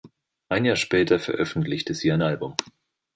Ein Jahr später veröffentlichte sie ein Album.